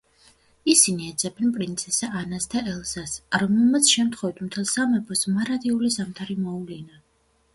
ისინი ეძებენ პრინცესა ანას და ელზას, რომელმაც შემთხვევით მთელ სამეფოს მარადიული ზამთარი მოუვლინა.